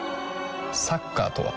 サッカーとは？